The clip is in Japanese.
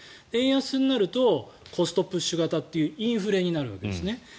円安になるとコストプッシュ型というインフレになるわけですね。